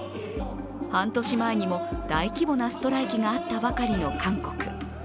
半年前にも大規模なストライキがあったばかりの韓国。